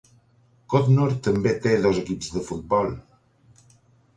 Codnor també té dos equips de futbol.